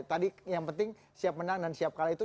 tadi yang penting siap menang dan siap kalah itu